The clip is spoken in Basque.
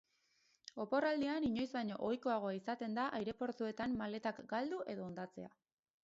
Oporraldian inoiz baino ohikoagoa izaten da aireportuetan maletak galdu edo hondatzea.